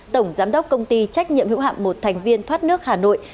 tổng giám đốc công ty trách nhiệm hữu hạm một thành viên thoát nước hà nội